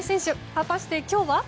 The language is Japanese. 果たして今日は？